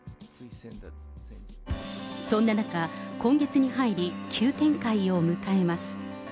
そんな中、今月に入り、急展開を迎えます。